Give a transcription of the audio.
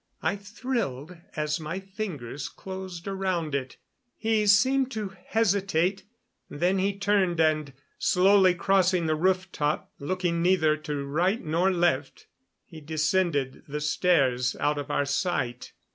I thrilled as my fingers closed around it. He seemed to hesitate, then he turned and, slowly crossing the rooftop, looking neither to right nor left, he descended the stairs out of our sight.